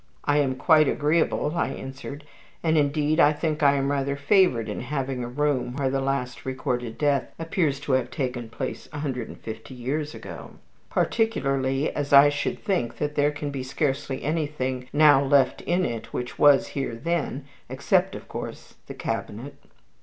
"I am quite agreeable," I answered; "and, indeed, I think I am rather favored in having a room where the last recorded death appears to have taken place a hundred and fifty years ago, particularly as I should think that there can be scarcely anything now left in it which was here then, except, of course, the cabinet."